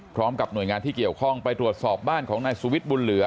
พร้อมกับหน่วยงานที่เกี่ยวข้องไปตรวจสอบบ้านของนายสุวิทย์บุญเหลือ